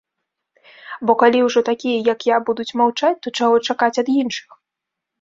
Бо калі ўжо такія, як я, будуць маўчаць, то чаго чакаць ад іншых?